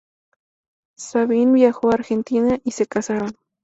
Sabine viajó a Argentina, y se casaron.